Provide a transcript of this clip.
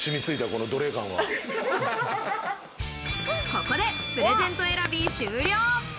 ここでプレゼント選び終了。